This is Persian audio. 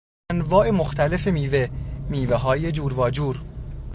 انواع مختلف میوه، میوههای جور واجور